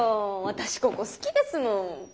私ここ好きですもん。